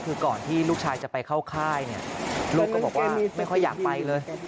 คือก่อนที่ลูกชายจะไปเข้าค่ายเนี่ยลูกก็บอกว่าไม่ค่อยอยากไปเลย